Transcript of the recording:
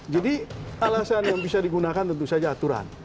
jadi alasan yang bisa digunakan tentu saja aturan